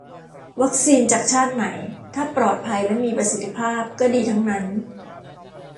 วัคซีนจากชาติไหน ถ้าปลอดภัยและมีประสิทธิภาพ ก็ดีทั้งนั้น